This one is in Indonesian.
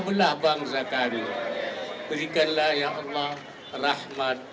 belah bangsa kami berikanlah ya allah rahmat